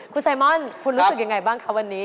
คุณไซมอนคุณรู้สึกยังไงบ้างคะวันนี้